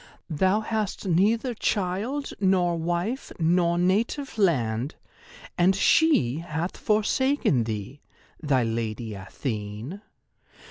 Thou hast neither child nor wife nor native land, and she hath forsaken thee—thy Lady Athene.